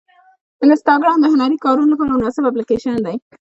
انسټاګرام د هنري کارونو لپاره مناسب اپلیکیشن دی.